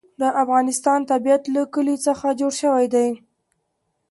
د افغانستان طبیعت له کلي څخه جوړ شوی دی.